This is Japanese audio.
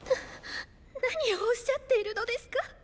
な何をおっしゃっているのですか。